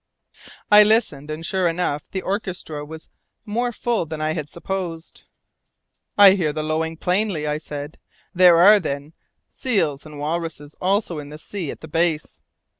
I listened, and, sure enough, the orchestra was more full than I had supposed. "I hear the lowing plainly," I said; "there are, then, seals and walrus also in the sea at the base."